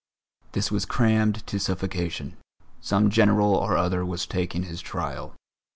This was crammed to suffocation; some General or other was taking his trial.